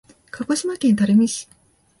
鹿児島県垂水市